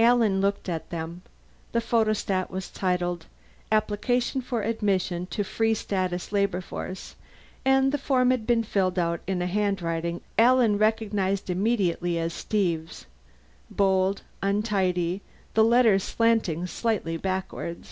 Alan looked at them. The photostat was titled, APPLICATION FOR ADMISSION TO FREE STATUS LABOR FORCE, and the form had been filled out in a handwriting Alan recognized immediately as Steve's: bold, untidy, the letters slanting slightly backward.